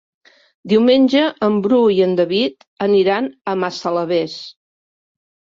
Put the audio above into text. Diumenge en Bru i en David aniran a Massalavés.